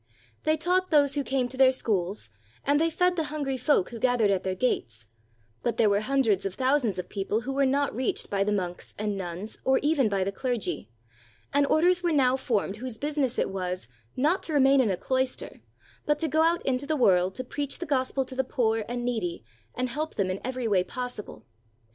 They taught those who came to their schools, and they fed the hungry folk who gathered at their gates; but there were hundreds of thou sands of people who were not reached by the monks and nuns or even by the clergy; and orders were now formed whose business it was, not to remain in a cloister, but to go out into the world to preach the gospel to the poor and needy and help them in every way possible.